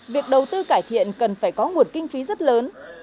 việc đầu tư cải thiện cần phải có nguồn kinh phí rất lớn